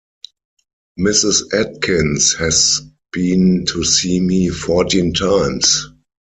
Mrs. Atkins has been to see me fourteen times.